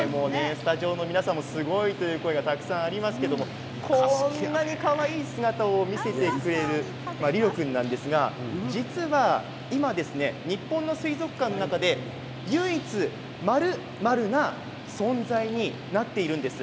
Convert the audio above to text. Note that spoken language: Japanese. スタジオの皆さんもすごいという声がたくさんありますがこんなにかわいい姿を見せてくれるリロ君なんですが実は今、日本の水族館の中で唯一○○な存在になっているんです。